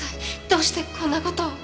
どうしてこんな事を？